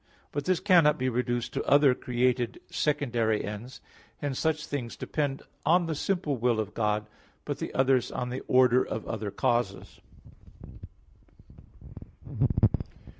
But this cannot be reduced to other created secondary ends. Hence such things depend on the simple will of God; but the others on the order of other causes.